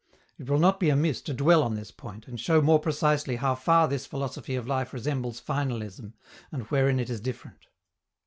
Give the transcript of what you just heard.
It will not be amiss to dwell on this point, and show more precisely how far this philosophy of life resembles finalism and wherein it is different.